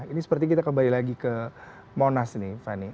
ini seperti kita kembali lagi ke monas nih fani